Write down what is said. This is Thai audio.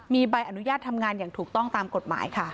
มีใบอนุญาตทำงานอย่างถูกต้องตามกฎหมายค่ะ